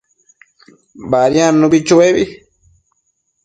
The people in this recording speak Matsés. Badiadnubi chuebi